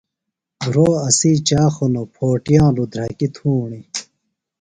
بِھیروۡ اسی چاخ ہِنوۡ، پھو ٹِیانوۡ دھرکیۡ تُھوݨیۡ